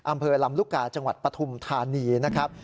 อำเภอลำลูกกาจังหวัดปฐุมธานีนะครับ